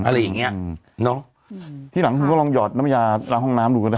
อะไรอย่างเงี้ยอืมเนอะทีหลังคุณก็ลองหยอดน้ำยาล้างห้องน้ำดูก็ได้